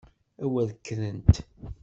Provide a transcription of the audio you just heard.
A wer kkrent!